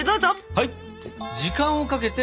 はい！